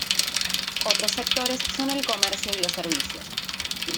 Otros sectores son el comercio y los servicios.